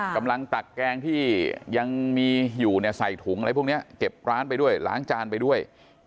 ตักแกงที่ยังมีอยู่ใส่ถุงอะไรพวกนี้เก็บร้านไปด้วยล้างจานไปด้วย